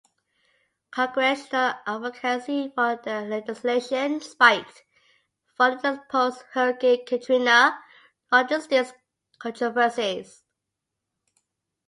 Congressional advocacy for the legislation spiked following the post-Hurricane Katrina logistics controversies.